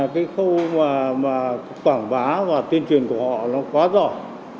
cái khâu mà quảng bá và tuyên truyền của họ nó quá giỏi